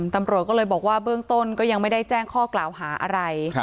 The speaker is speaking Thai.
ตำรวจก็เลยบอกว่าเบื้องต้นก็ยังไม่ได้แจ้งข้อกล่าวหาอะไร